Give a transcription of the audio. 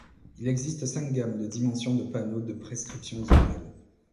Il existe cinq gammes de dimensions de panneaux de prescription zonale.